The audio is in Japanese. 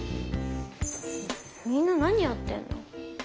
みんな何やってんの？